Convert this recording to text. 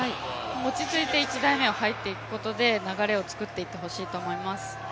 落ち着いて１台目を入っていくことで流れを作っていってほしいと思います。